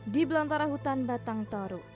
di belantara hutan batang toru